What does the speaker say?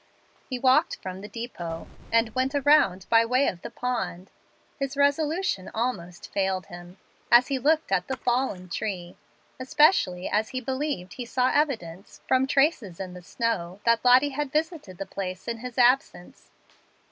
He walked from the depot, and went around by the way of the pond. His resolution almost failed him, as he looked at the "fallen tree," especially as he believed he saw evidence, from traces in the snow, that Lottie had visited the place in his absence.